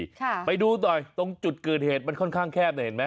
ค่ะไปดูหน่อยตรงจุดเกิดเหตุมันค่อนข้างแคบเนี่ยเห็นไหม